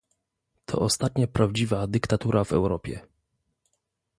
To ostatnia prawdziwa dyktatura w Europie